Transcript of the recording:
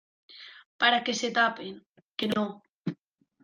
para que se tapen. que no .